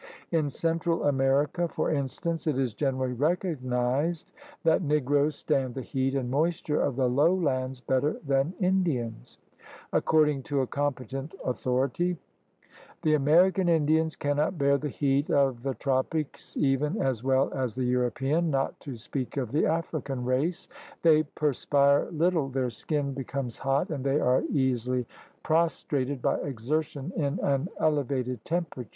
In Central America, for instance, it is generally recognized that Negroes stand the heat and moisture of the lowlands better than Indians, According to a competent author ity : "The American Indians cannot bear the heat of the tropics even as well as the European, not to speak of the African race. They perspire little, their skin becomes hot, and they are easily pros trated by exertion in an elevated temperature.